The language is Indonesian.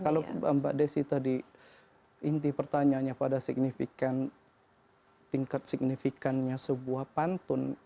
kalau mbak desi tadi inti pertanyaannya pada signifikan tingkat signifikannya sebuah pantun